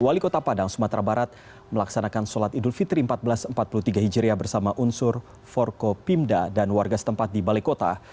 wali kota padang sumatera barat melaksanakan sholat idul fitri seribu empat ratus empat puluh tiga hijriah bersama unsur forkopimda dan warga setempat di balai kota